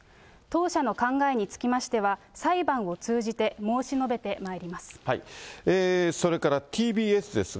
当社の考えにつきましては、裁判を通じて申し述べてまいります。